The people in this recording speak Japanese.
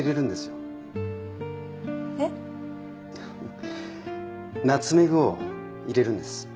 ははっナツメグを入れるんです。